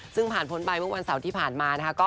ซึ่งผ่านพ้นไปเมื่อวันเสาร์ที่ผ่านมานะคะ